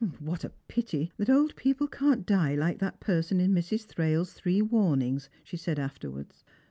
" What a pity old people can't die like that person in Mrs. Thrak's Three Warnings!" she said afterwards.